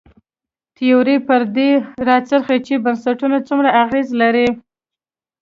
تیوري پر دې راڅرخي چې بنسټونه څومره اغېز لري.